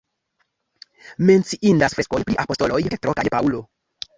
Menciindas freskoj pri apostoloj Petro kaj Paŭlo.